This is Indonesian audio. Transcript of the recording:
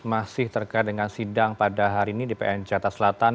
masih terkait dengan sidang pada hari ini di pn jatah selatan